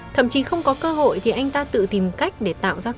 thậm chí không có cơ hội thì anh ta tự tìm cách để tìm được bạn bè nhậu nhẹ